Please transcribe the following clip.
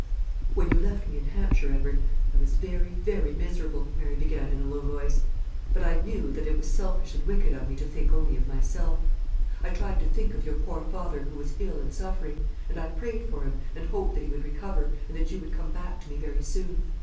"When you left me in Hampshire, Edward, I was very, very miserable," Mary began, in a low voice; "but I knew that it was selfish and wicked of me to think only of myself. I tried to think of your poor father, who was ill and suffering; and I prayed for him, and hoped that he would recover, and that you would come back to me very soon.